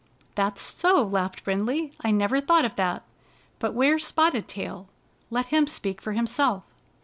" That's so," laughed Brindley. " I never thought of that. But where's Spotted Tail? Let him speak for himself."